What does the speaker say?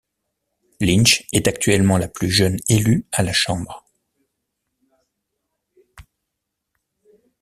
Lynch est actuellement la plus jeune élue à la Chambre.